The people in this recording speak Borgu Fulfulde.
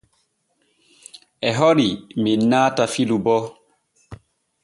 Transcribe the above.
E hori men naata filu bo.